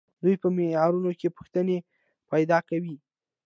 دوی په معیارونو کې پوښتنې پیدا کوي.